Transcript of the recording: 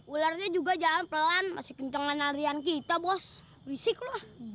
ularnya juga jalan pelan masih kenceng lah larian kita bos berisik lu